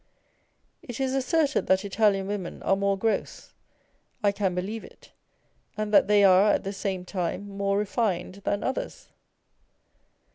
It is asserted that Italian women 'are more gross ; I can believe it, and that they are at the same time more refined than others.